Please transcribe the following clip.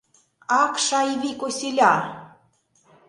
Ак, шайви косиля!